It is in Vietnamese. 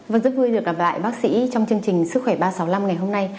vâng rất vui được gặp lại bác sĩ trong chương trình sức khỏe ba trăm sáu mươi năm ngày hôm nay